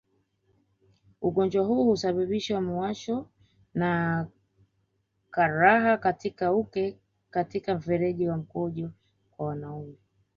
Ugonjwa huu husababisha muwasho na karaha katika uke katika mfereji wa mkojo kwa wanaume